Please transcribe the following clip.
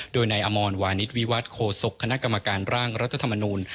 โดยนายอมรวานิสวิวัตรโคศกคณะกรรมการร่างรัฐธรรมนูล